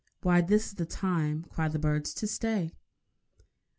Why, this is the time, cry the birds, to stay!